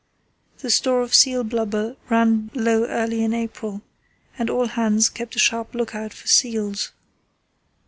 The store of seal blubber ran low early in April, and all hands kept a sharp look out for seals.